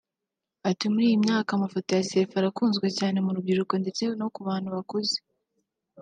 Ati’’ Muri iyi myaka amafoto ya selfie arakunzwe cyane mu rubyiruko ndetse no ku bantu bakuze